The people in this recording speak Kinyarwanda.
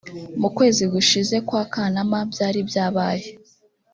mu kwezi gushize kwa Kanama byari byabaye